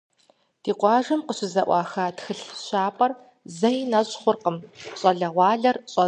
Ди къуажэм къыщызэӏуаха тхылъ щапӏэр зэи нэщӏ хъуркъым, щӏалэгъуалэр щӏэзщ.